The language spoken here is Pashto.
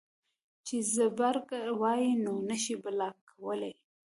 چې زبرګ وائي نور نشې بلاک کولے